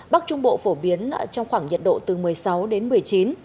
bắc trung bộ phổ biến trong khoảng nhiệt độ từ một mươi sáu đến một mươi chín độ